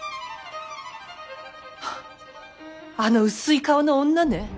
はっあの薄い顔の女ね。